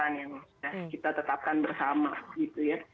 yang sudah kita tetapkan bersama gitu ya